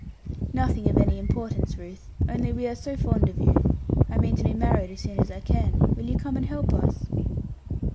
'Nothing of any importance, Ruth; only we are so fond of you. I mean to be married as soon as I can. Will you come and help us?'